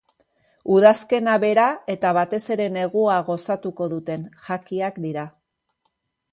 Udazkena bera eta batez ere negua gozatuko duten jakiak dira.